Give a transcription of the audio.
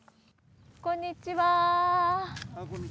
こんにちは。